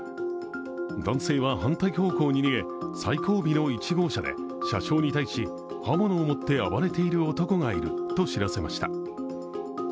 男性は反対方向に逃げ、最後尾の１号車で車掌に対し刃物を持って暴れている男がいると知らせました。